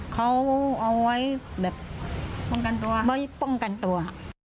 เขาเอาไว้แบบป้องกันตัวไม่ป้องกันตัว